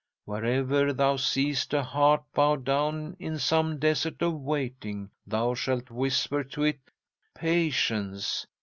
Wherever thou seest a heart bowed down in some Desert of Waiting, thou shalt whisper to it: 'Patience!